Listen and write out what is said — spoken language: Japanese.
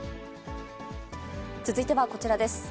続いてはこちらです。